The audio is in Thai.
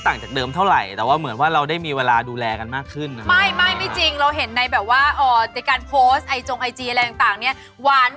แก่งดเลยว่าชีวิตหลังแต่งงานนี้เป็นอย่างไรบ้าง